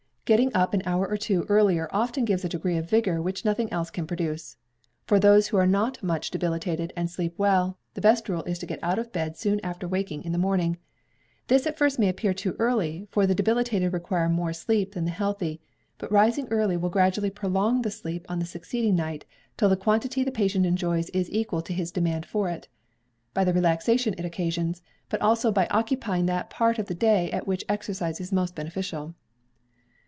Getting up an hour or two earlier often gives a degree of vigour which nothing else can procure. For those who are not much debilitated, and sleep well, the best rule is to get out of bed soon after waking in the morning. This at first may appear too early, for the debilitated require more sleep than the healthy; but rising early will gradually prolong the sleep on the succeeding night, till the quantity the patient enjoys is equal to his demand for it. Lying late is not only hurtful, by the relaxation it occasions, but also by occupying that part of the day at which exercise is most beneficial."